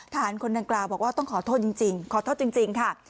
คนดังกล่าวบอกว่าต้องขอโทษจริงขอโทษจริงค่ะ